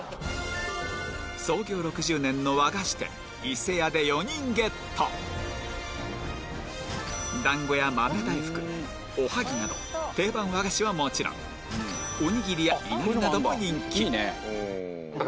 創業６０年の和菓子店伊勢屋で４人ゲットだんごや豆大福おはぎなど定番和菓子はもちろんおにぎりやいなりなども人気あ